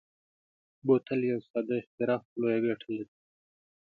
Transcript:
بوتل یو ساده اختراع خو لویه ګټه لري.